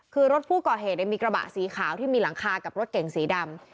คือรถผู้ก่อเหตุมีกระบะสีขาวที่มีหลังคากับรถเก่งสีดำ